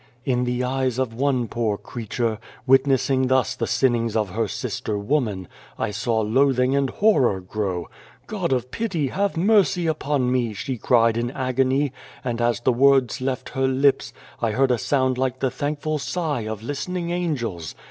" In the eyes of one poor creature, wit nessing thus the sinnings of her sister woman, I saw loathing and horror grow. * God of Pity, have mercy upon me !' she cried in agony, and, as the words left her lips, I heard a sound like the thankful sigh of listen ing angels.